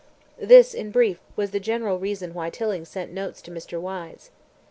... This, in brief, was the general reason why Tilling sent notes to Mr. Wyse.